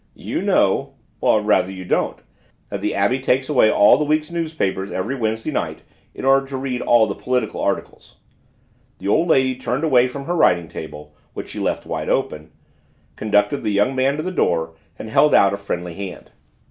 You know or rather you don't know that the Abbé takes away all the week's newspapers every Wednesday night in order to read all the political articles." The old lady turned away from her writing table, which she left wide open, conducted the young man to the door, and held out a friendly hand.